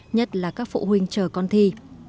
nhất là các phụ huynh chờ con thi